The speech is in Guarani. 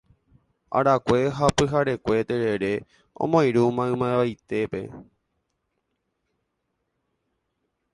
arakue ha pyharekue terere omoirũ maymavaitépe.